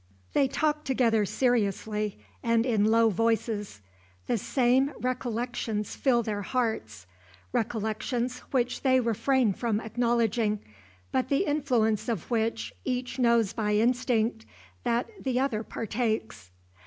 They talk together seriously and in low voices. The same recollections fill their hearts recollections which they refrain from acknowledging, but the influence of which each knows by instinct that the other partakes.